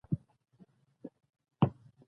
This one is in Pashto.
د بانکي چکونو په تصدیق کې له خلکو سره مرسته کیږي.